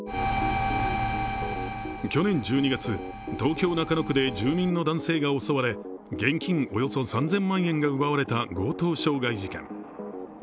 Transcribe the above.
去年１２月、東京・中野区で住民の男性が襲われ現金およそ３０００万円が奪われた強盗傷害事件。